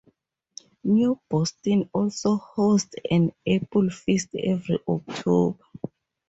New Boston also hosts an Apple Fest every October.